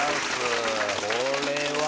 これは。